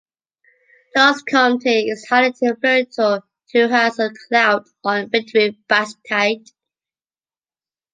Charles Comte /is highly influential to/has a clout on/ Frédéric Bastiat.